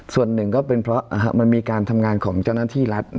ส่วนหนึ่งก็เป็นเพราะมันมีการทำงานของเจ้าหน้าที่รัฐ